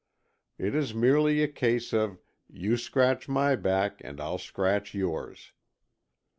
It is merely a case of "you scratch my back and I'll scratch yours."